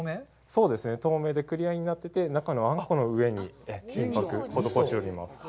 そうですね、透明で、クリアになってて、中のあんこの上に金箔、施しております。